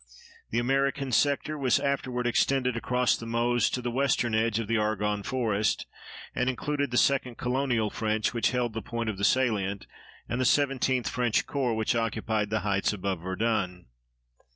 The American sector was afterward extended across the Meuse to the western edge of the Argonne Forest, and included the 2d Colonial French, which held the point of the salient, and the 17th French Corps, which occupied the heights above Verdun.